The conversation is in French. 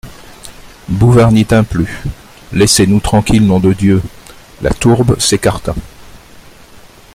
Bouvard n'y tint plus., Laissez-nous tranquilles, nom de Dieu ! La tourbe s'écarta.